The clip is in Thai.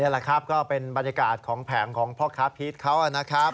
แหละครับก็เป็นบรรยากาศของแผงของพ่อค้าพีชเขานะครับ